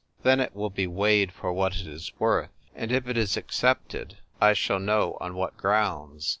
Then it will be weighed for what it is worth, and if it is accepted, I shall know on what grounds."